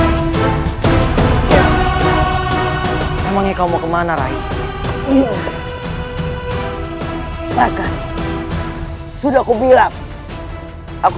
saya menyokongnya untuk milkaku